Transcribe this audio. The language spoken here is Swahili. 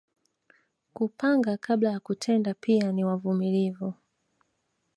Kupanga kabla ya kutenda pia ni wavumilivu